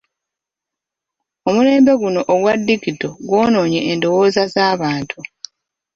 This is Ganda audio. Omulembe guno ogwa digito gwonoonye endowooza z'abantu.